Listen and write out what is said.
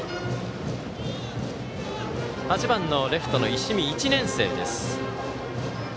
８番レフトの石見１年生です。